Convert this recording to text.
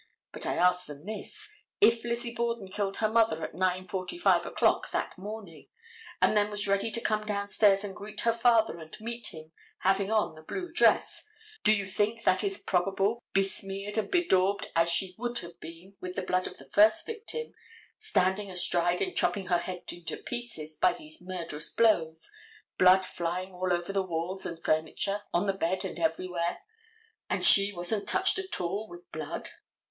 But I ask them this: If Lizzie Borden killed her mother at 9:45 o'clock that morning and then was ready to come down stairs and greet her father and meet him, having on the blue dress, do you think that is probable, besmeared and bedaubed as she would have been with the blood of the first victim, standing astride and chopping her head into pieces by these numerous blows, blood flying all over the walls and furniture, on the bed and everywhere, and she wasn't touched at all with blood?